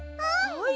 はい。